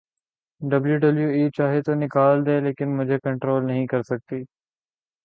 W W E چاہے تو نکال دے لیکن مجھے کنٹرول نہیں کر سکتی